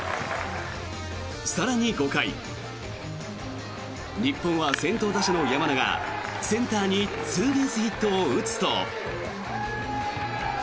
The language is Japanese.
更に５回日本は先頭打者の山田がセンターにツーベースヒットを打つと。